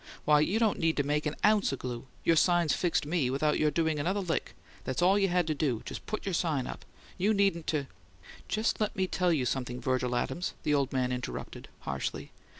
Why, you don't need to make an OUNCE o' glue; your sign's fixed ME without your doing another lick! THAT'S all you had to do; just put your sign up! You needn't to " "Just let me tell you something, Virgil Adams," the old man interrupted, harshly.